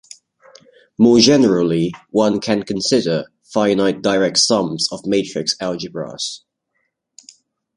More generally, one can consider finite direct sums of matrix algebras.